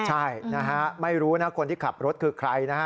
ใช่ไม่รู้นะคนที่ขับรถคือใครนะ